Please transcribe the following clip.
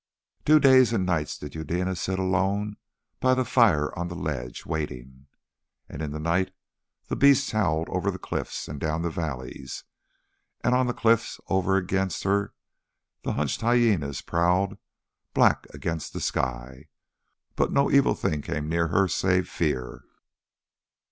Two days and nights did Eudena sit alone by the fire on the ledge waiting, and in the night the beasts howled over the cliffs and down the valley, and on the cliff over against her the hunched hyænas prowled black against the sky. But no evil thing came near her save fear.